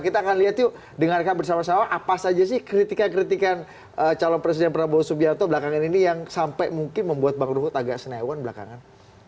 kita akan lihat yuk dengarkan bersama sama apa saja sih kritikan kritikan calon presiden prabowo subianto belakangan ini yang sampai mungkin membuat bang ruhut agak senewan belakangan